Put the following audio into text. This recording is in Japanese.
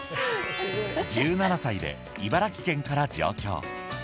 １７歳で茨城県から上京。